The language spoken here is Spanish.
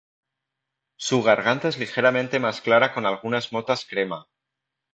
Su garganta es ligeramente más clara con algunas motas crema.